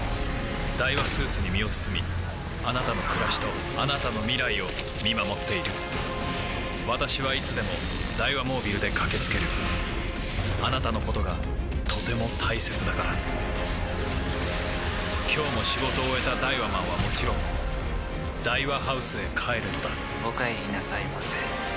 ダイワスーツに身を包みあなたの暮らしとあなたの未来を見守っている私はいつでもダイワモービルで駆け付けるあなたのことがとても大切だから今日も仕事を終えたダイワマンはもちろんダイワハウスへ帰るのだお帰りなさいませ。